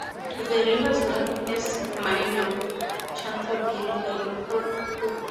The river is known as Mae Nam Chanthaburi by local people.